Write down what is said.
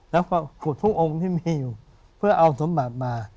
แล้วก็ขุดทุกองค์ที่มีอยู่เพื่อเอาสมบัติมา